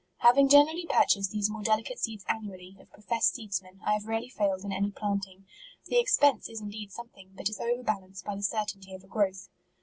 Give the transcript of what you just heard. Having generally purcha sed these more delicate seeds annually, of professed seedsmen, I have rarely failed in any planting* The expense is indeed some thing* but it is over balanced by the certain ty of a growth.